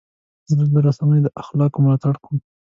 زه د رسنیو د اخلاقو ملاتړ کوم.